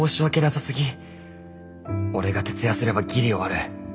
俺が徹夜すればギリ終わる。